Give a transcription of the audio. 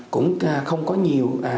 cũng không có nhiều kiến thức về tài chính